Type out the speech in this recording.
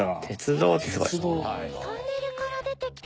トンネルから出てきた。